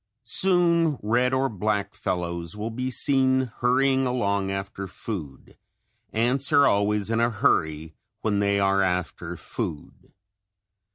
Soon red or black fellows will be seen hurrying along after food; ants are always in a hurry when they are after food.